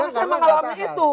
karena saya mengalami itu